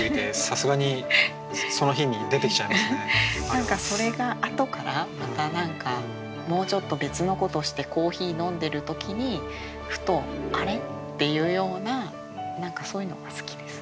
何かそれがあとからまた何かもうちょっと別のことしてコーヒー飲んでる時にふと「あれ？」っていうようなそういうのが好きです。